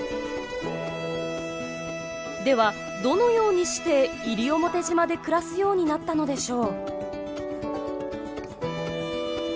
ではどのようにして西表島で暮らすようになったのでしょう。